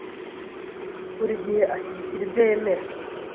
Buri gihe ashyigikira ibyo yemera.